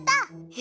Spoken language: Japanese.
え！